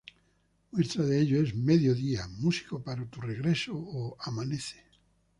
Muestra de ello es "Medio día", "Música para tu regreso" o "Amanece".